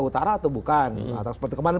utara atau bukan atau seperti kemarin